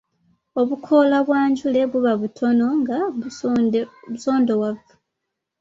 Obukoola bwa njule buba butono nga busondowavu.